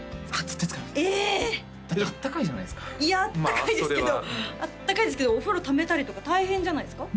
絶対つかりますだって温かいじゃないですかいや温かいですけど温かいですけどお風呂ためたりとか大変じゃないですか？